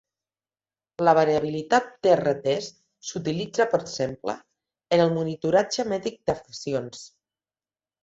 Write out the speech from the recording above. La variabilitat test-retest s'utilitza, per exemple, en el monitoratge mèdic d'afeccions.